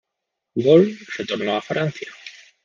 Woll retornó a Francia.